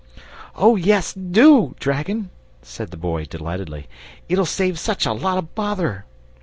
"Oh, yes, DO, dragon," said the Boy, delightedly; "it'll save such a lot of bother!"